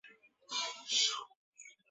知名歌仔戏演员许秀年是他的妻子。